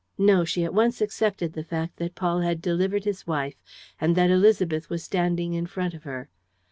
No, she at once accepted the fact that Paul had delivered his wife and that Élisabeth was standing in front of her.